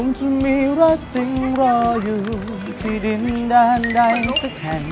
คงจะมีรักจริงรออยู่ที่ดินด้านใดสักแค่